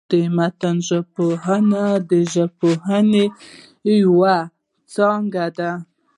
د متن ژبپوهنه، د ژبپوهني یوه څانګه ده.